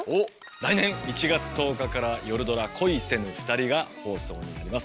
来年１月１０日からよるドラ「恋せぬふたり」が放送になります。